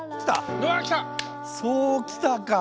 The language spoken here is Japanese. そうきたか！